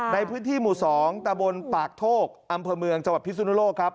ในพื้นที่หมู่๒ตะบนปากโทกอำเภอเมืองจังหวัดพิสุนโลกครับ